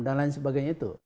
dan lain sebagainya itu